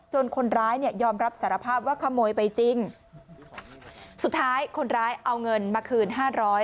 คนร้ายเนี่ยยอมรับสารภาพว่าขโมยไปจริงสุดท้ายคนร้ายเอาเงินมาคืนห้าร้อย